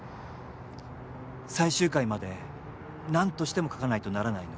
最終回までなんとしても描かないとならないの。